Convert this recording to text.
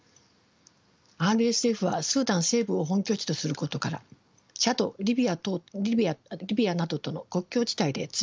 ＲＳＦはスーダン西部を本拠地とすることからチャドリビアなどとの国境地帯で強い勢力を有してきました。